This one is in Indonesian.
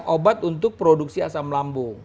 obat untuk produksi asam lambung